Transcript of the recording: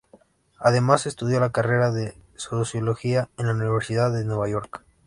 Además estudió la carrera de Sociología en la Universidad de Nueva York.